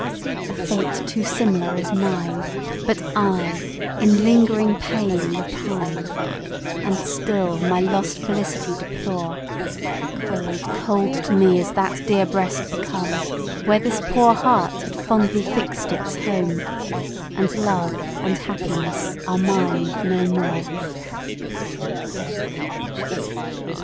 A fate too similar is mine, But I in lingering pain repine, And still my lost felicity deplore; Cold, cold to me is that dear breast become Where this poor heart had fondly fix'd its home, And love and happiness are mine no more.